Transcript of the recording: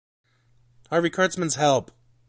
Harvey Kurtzman's Help!